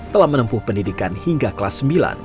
telah menempuh pendidikan hingga kelas sembilan